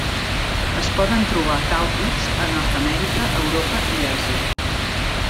Es poden trobar tàlpids a Nord-amèrica, Europa i Àsia.